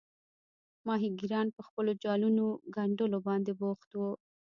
ماهیګیران پر خپلو جالونو ګنډلو باندې بوخت وو.